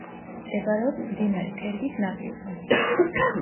მდებარეობს მდინარე თერგის ნაპირზე.